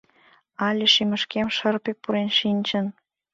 Але шӱмышкем шырпе пурен шинчын?